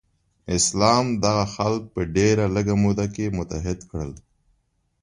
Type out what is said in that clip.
اسلام دغه خلک په ډیره لږه موده کې متحد کړل.